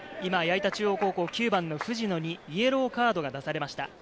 矢板中央高校、９番の藤野にイエローカードが出されました。